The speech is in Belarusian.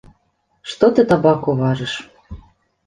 Што ты табаку важыш?